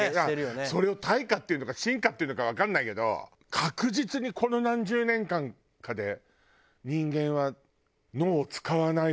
それを退化っていうのか進化っていうのかわかんないけど確実にこの何十年間かで人間は脳を使わない方向にいってるわよね。